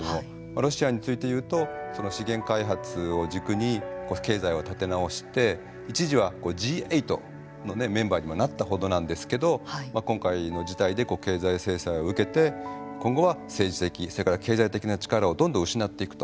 ロシアについて言うと資源開発を軸に経済を立て直して一時はＧ８のメンバーにもなったほどなんですけど今回の事態で経済制裁を受けて今後は政治的それから経済的な力をどんどん失っていくと。